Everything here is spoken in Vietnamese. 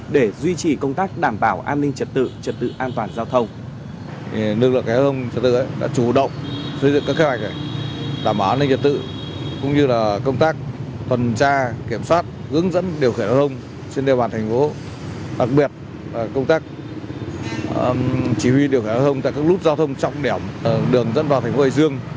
để duy trì công tác đảm bảo an ninh trật tự trật tự an toàn giao thông